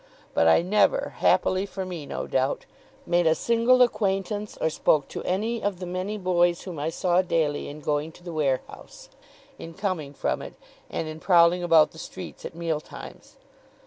But I never, happily for me no doubt, made a single acquaintance, or spoke to any of the many boys whom I saw daily in going to the warehouse, in coming from it, and in prowling about the streets at meal times.